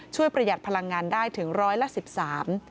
ช่วยประหยัดพลังงานได้ถึงร้อยละ๑๓